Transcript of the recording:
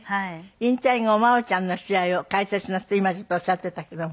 引退後真央ちゃんの試合を解説なすって今ちょっとおっしゃっていたけども。